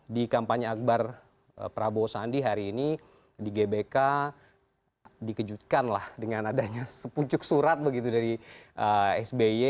di kampanye akbar prabowo sandi hari ini di gbk dikejutkan lah dengan adanya sepucuk surat begitu dari sby